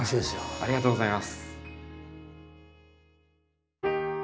ありがとうございます。